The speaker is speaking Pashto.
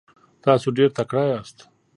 تاسو ډیر تکړه یاست.